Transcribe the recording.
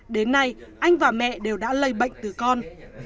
đến nay anh và mẹ đều đã lây bệnh từ con